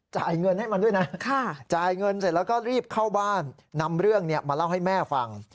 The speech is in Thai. จ่ายเงินให้มันด้วยนะจ่ายเงินเสร็จแล้วก็รีบเข้าบ้านนำเรื่องมาเล่าให้แม่ฟัง